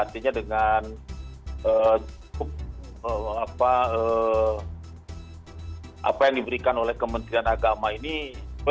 artinya dengan cukup apa yang diberikan oleh kementerian agama ini